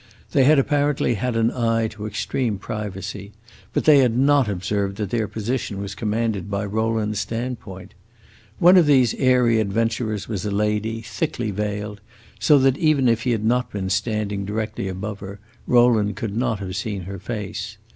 They had apparently had an eye to extreme privacy, but they had not observed that their position was commanded by Rowland's stand point. One of these airy adventurers was a lady, thickly veiled, so that, even if he had not been standing directly above her, Rowland could not have seen her face.